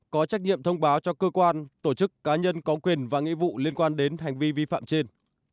có trách nhiệm thông báo cho cơ quan tổ chức cá nhân có quyền và nghĩa vụ liên quan đến hành vi vi phạm trên